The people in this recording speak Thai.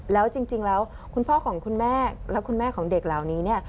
แล้วจริงแล้วคุณพ่อของคุณแม่และคุณแม่ของเด็กเหล่านี้เนี่ย